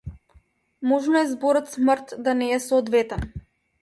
Можно е зборот смрт да не е соодветен.